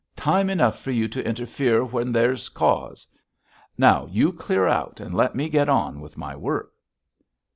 Time enough for you to interfere when there's cause. Now you clear out and let me get on with my work.'